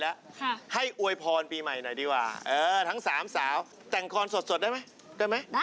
อายไม่ขึ้นสวรรค์พาอายขึ้นสวรรค์